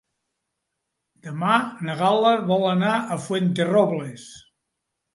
Demà na Gal·la vol anar a Fuenterrobles.